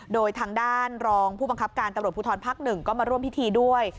โดยทางด้านรองผู้บังคับการตำรวจภูทรภักดิ์๑ก็มาร่วมพิธีด้วย